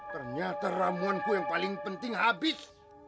ternyata ramuanku yang paling penting habis